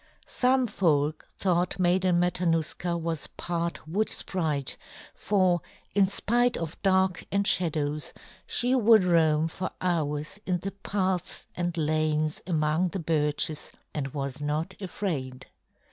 Some folk thought Maiden Matanuska was part wood sprite, for in spite of dark and shadows she would roam for hours in the paths and lanes among the birches and was not afraid.